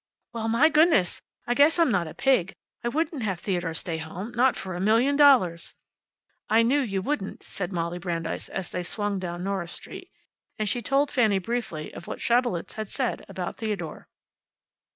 "Well, my goodness! I guess I'm not a pig. I wouldn't have Theodore stay home, not for a million dollars." "I knew you wouldn't," said Molly Brandeis as they swung down Norris Street. And she told Fanny briefly of what Schabelitz had said about Theodore.